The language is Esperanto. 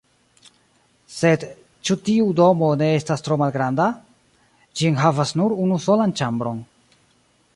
Sed ĉu tiu domo ne estas tro malgranda? Ĝi enhavas nur unu solan ĉambron.